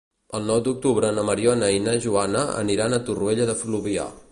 El nou d'octubre na Mariona i na Joana aniran a Torroella de Fluvià.